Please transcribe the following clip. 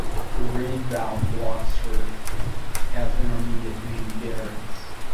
The reed valve blocks served as intermediate main bearings.